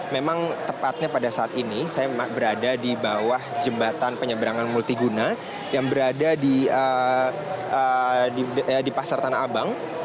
memang tepatnya pada saat ini saya berada di bawah jembatan penyeberangan multiguna yang berada di pasar tanah abang